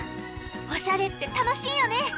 おしゃれってたのしいよね。